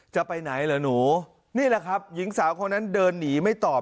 จะไปไหนเหรอหนูนี่แหละครับหญิงสาวคนนั้นเดินหนีไม่ตอบ